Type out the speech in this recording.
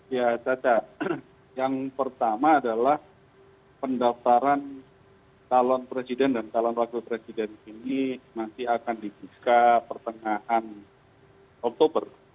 ya caca yang pertama adalah pendaftaran calon presiden dan calon wakil presiden ini nanti akan dibuka pertengahan oktober